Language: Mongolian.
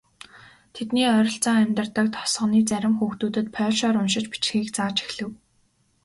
Тэдний ойролцоо амьдардаг тосгоны зарим хүүхдүүдэд польшоор уншиж бичихийг зааж эхлэв.